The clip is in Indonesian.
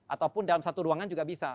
ataupun dalam satu ruangan juga bisa